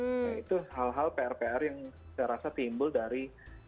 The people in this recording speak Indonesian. nah itu hal hal pr pr yang saya rasa timbul dari